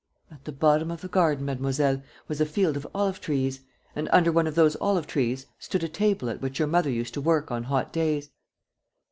"At the bottom of the garden, mademoiselle, was a field of olive trees; and under one of those olive trees stood a table at which your mother used to work on hot days.